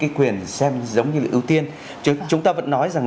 cái quyền xem giống như là ưu tiên chứ chúng ta vẫn nói rằng